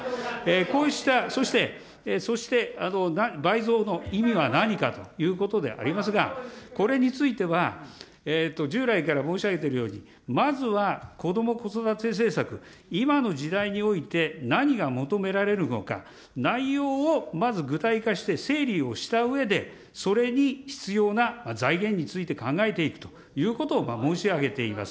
こうした、そして、そして、倍増の意義は何かということでありますが、これについては、従来から申し上げているように、まずはこども・子育て政策、今の時代において何が求められるのか、内容をまず具体化して整理をしたうえで、それに必要な財源について考えていくということを申し上げています。